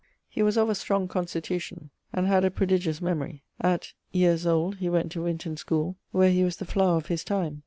He was of a strong constitution, and had a prodigious memorie. At ... yeares old, he went to Winton schole, where he was the flower of his time.